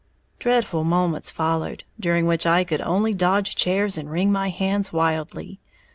"] Dreadful moments followed, during which I could only dodge chairs and wring my hands wildly.